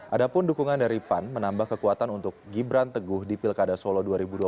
ada pun dukungan dari pan menambah kekuatan untuk gibran teguh di pilkada solo dua ribu dua puluh